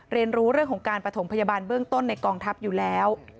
เรียนรู้เรื่องของการประถมพยาบาลเบื้องต้นในกองทัพอยู่แล้ว